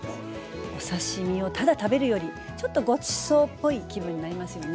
お刺身をただ食べるよりちょっとごちそうっぽい気分になりますよね。